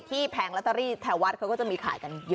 แผงลอตเตอรี่แถววัดเขาก็จะมีขายกันเยอะ